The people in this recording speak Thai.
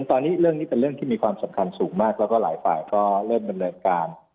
ตอนนี้เรื่องนี้เป็นเรื่องที่มีความสำคัญสูงมากแล้วก็หลายฝ่ายก็เริ่มดำเนินการ